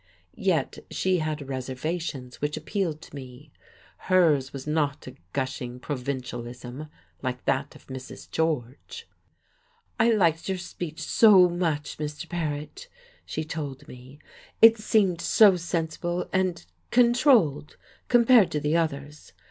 Yet she had reservations which appealed to me. Hers was not a gushing provincialism, like that of Mrs. George. "I liked your speech so much, Mr. Paret," she told me. "It seemed so sensible and controlled, compared to the others.